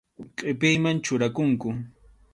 Qʼipiyman churakunku.